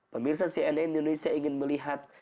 pemirsa cnn indonesia ingin melihat